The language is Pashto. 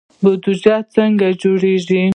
بودجه څنګه جوړیږي؟